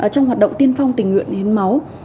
trong hoạt động tiên phong tình nguyện hiến máu